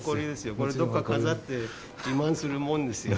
これ、どっか飾って自慢するもんですよ。